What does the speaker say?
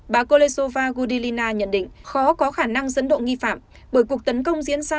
bà kolesova gudelina nhận định khó có khả năng dẫn độ nghi phạm bởi cuộc tấn công diễn ra